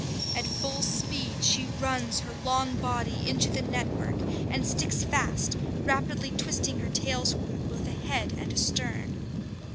At full speed she runs her long body into the network and sticks fast, rapidly twisting her tail screw both ahead and astern.